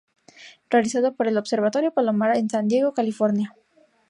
Realizado por el Observatorio Palomar en San Diego, California.